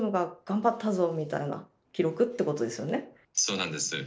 そうなんです。